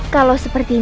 kalau seperti ini